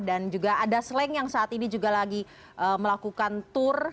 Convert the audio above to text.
dan juga ada sleng yang saat ini juga lagi melakukan tur